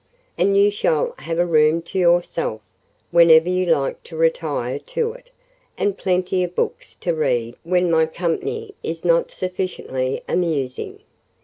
And you shall have a room to yourself, whenever you like to retire to it, and plenty of books to read when my company is not sufficiently amusing.